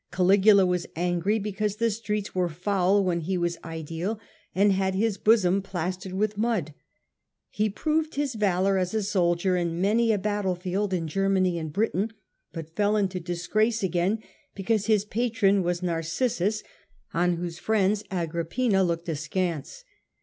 Caligula was angry because the streets were foul when he was mdile, and had his bosom plastered up with mud. He proved his valour as a soldier in many a battlefield in Germany and Britain, but fell into disgrace again because his patron was Nar cissus, on whose friends Agrippina looked askance.